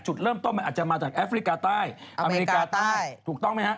จุดเริ่มต้นมาจากแอฟริกาไต้อเมริกาใต้ถูกต้องไหมคะ